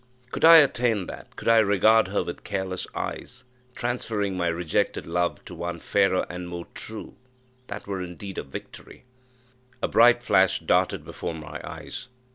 Could I attain that could I regard her with careless eyes, transferring my rejected love to one fairer and more true, that were indeed a victory! A bright flash darted before my eyes.